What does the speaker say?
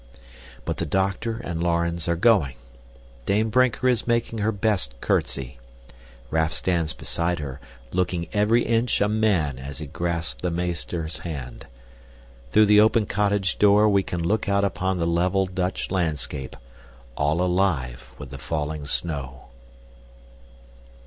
But the doctor and Laurens are going. Dame Brinker is making her best curtsy. Raff stands beside her, looking every inch a man as he grasps the meester's hand. Through the open cottage door we can look out upon the level Dutch landscape, all alive with the falling snow.